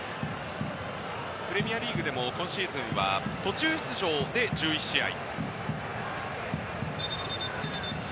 プレミアリーグでも今シーズンは途中出場で１１試合。